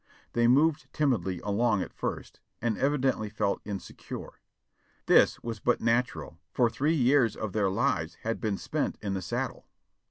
They moved timidly along at first, and evidently felt insecure. This was but natural, for three years of their lives had been spent in the saddle.